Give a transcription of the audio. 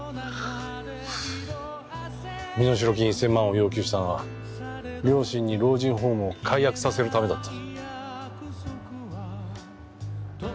身代金１，０００万を要求したのは両親に老人ホームを解約させるためだった。